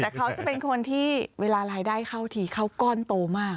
แต่เขาจะเป็นคนที่เวลารายได้เข้าทีเข้าก้อนโตมาก